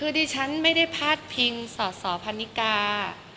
คือดิฉันไม่ได้พาดพิงสอสอพันนิกา